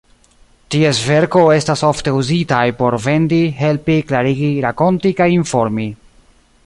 Ties verko estas ofte uzitaj por vendi, helpi, klarigi, rakonti kaj informi.